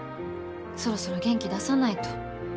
そろそろ元気出さないと。